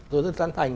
tôi rất sẵn thành